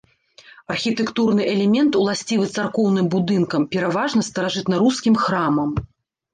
Архітэктурны элемент, уласцівы царкоўным будынкам, пераважна старажытнарускім храмам.